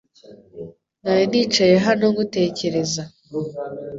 Nari nicaye hano ngutekereza .